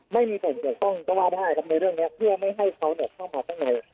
ไม่มีส่วนเกี่ยวข้องก็ว่าได้ครับในเรื่องนี้เพื่อไม่ให้เขาเข้ามาข้างใน